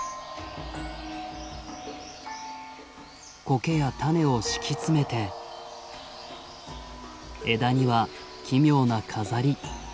コケや種を敷き詰めて枝には奇妙な飾り。